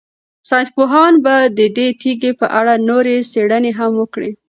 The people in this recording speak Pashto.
ساینس پوهان به د دې تیږې په اړه نورې څېړنې هم وکړي.